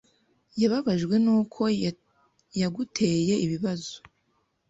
Yababajwe nuko yaguteye ibibazo.